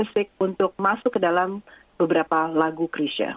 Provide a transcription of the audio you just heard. solo musik untuk masuk ke dalam beberapa lagu chrisya